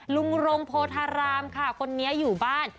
ลุงรงโพธารามค่ะคนนี้อยู่บ้าน